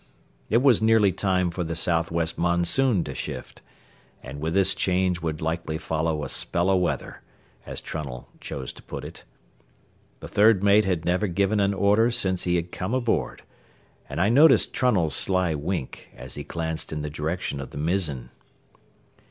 It was nearly time for the southwest monsoon to shift, and with this change would likely follow a spell o' weather, as Trunnell chose to put it. The third mate had never given an order since he had come aboard, and I noticed Trunnell's sly wink as he glanced in the direction of the mizzen.